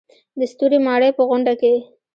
د ستوري ماڼۍ په غونډه کې.